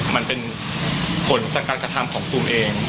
มันเป็นผลจากการกระทำของตูมเอง